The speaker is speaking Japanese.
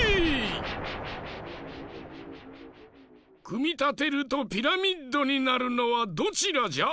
くみたてるとピラミッドになるのはどちらじゃ？